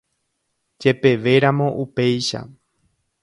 Jepevéramo upéicha.